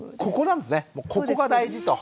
もうここが大事と。